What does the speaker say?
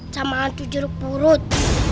sama hantu jeruk purut